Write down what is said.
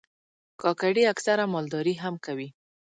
کاکړي اکثره مالداري هم کوي.